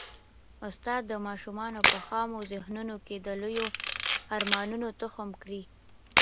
استاد د ماشومانو په خامو ذهنونو کي د لویو ارمانونو تخم کري.